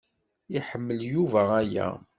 Iḥemmel Yuba aya.